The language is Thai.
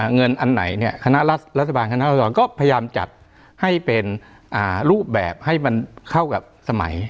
เงินอันไหนเนี่ยคณะรัฐบาลคณะราศรก็พยายามจัดให้เป็นรูปแบบให้มันเข้ากับสมัย